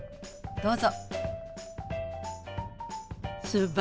どうぞ。